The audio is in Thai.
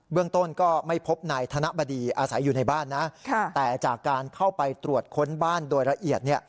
เรื่องต้นก็ไม่พบนายธนบดีอาศัยอยู่ในบ้านนะแต่จากการเข้าไปตรวจค้นบ้านโดยละเอียดเนี่ย